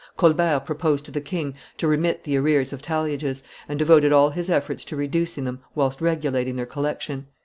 Colbert proposed to the king to remit the arrears of talliages, and devoted all his efforts to reducing them, whilst regulating their collection.